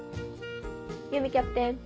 ゆみキャプテン。